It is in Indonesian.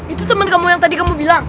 itu temen kamu yang tadi kamu bilang